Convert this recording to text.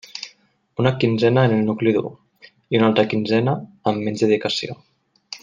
Una quinzena en el nucli dur, i una altra quinzena amb menys dedicació.